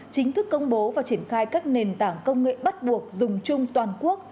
chính thức công bố và triển khai các nền tảng công nghệ bắt buộc dùng chung toàn quốc